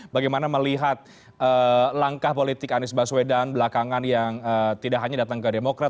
bagaimana melihat langkah politik anies baswedan belakangan yang tidak hanya datang ke demokrat